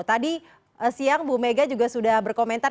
tadi siang bu mega juga sudah berkomentar